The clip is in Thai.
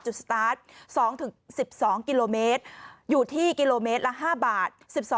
สตาร์ท๒๑๒กิโลเมตรอยู่ที่กิโลเมตรละ๕บาท